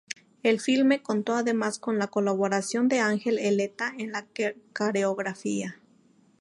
El filme contó además con la colaboración de Ángel Eleta en la coreografía.